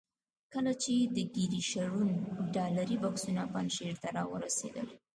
کله چې د ګیري شرون ډالري بکسونه پنجشیر ته را ورسېدل.